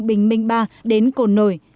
bình minh ba đến cồn nổi